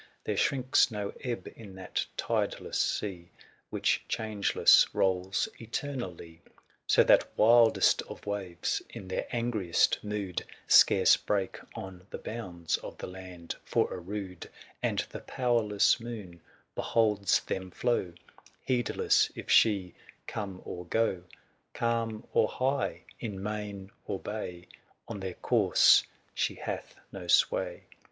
380 There shrinks no ebb in that tideless sea *, AVhich changeless rolls eternally ; So that wildest of waves, in their angriest mood, •Scarce break on the bounds of the land for a rood ; And the powerless moon beholds them flow, 385 Heedless if she come or go : Calm or high, in main or bay, On their course she hath no sway, THE SIEGE OF CORINTH.